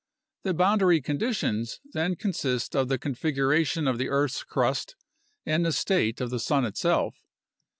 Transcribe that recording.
The boundary conditions then consist of the configuration of the earth's crust and the state of the sun itself.